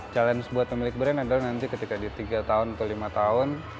challenge buat pemilik brand adalah nanti ketika di tiga tahun atau lima tahun